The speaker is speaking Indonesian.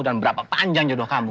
dan berapa panjang jodoh kamu